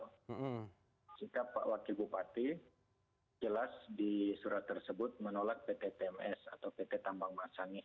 sikap pak wakil bupati jelas di surat tersebut menolak pt tms atau pt tambang masangi